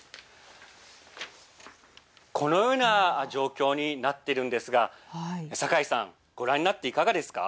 このような状況になっているんですが酒井さんご覧になっていかがですか。